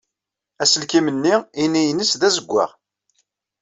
Aselkim-nni ini-nnes d azewwaɣ.